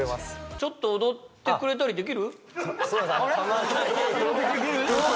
ちょっと踊ってくれたりできる？